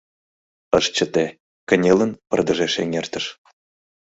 Ыш чыте, кынелын, пырдыжеш эҥертыш.